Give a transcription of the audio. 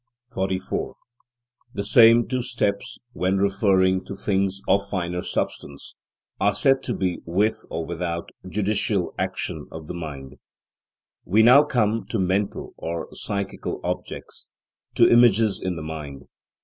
44. The same two steps, when referring to things of finer substance, are said to be with, or without, judicial action of the mind. We now come to mental or psychical objects: to images in the mind.